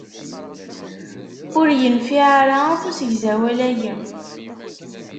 Ur yenfiɛ ara akk usegzawal-ayi.